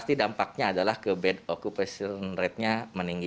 pasti dampaknya adalah kebet occupation rate nya meninggi